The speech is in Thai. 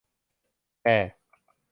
แก